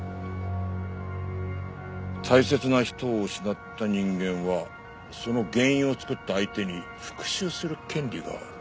「大切な人を失った人間はその原因を作った相手に復讐する権利がある」。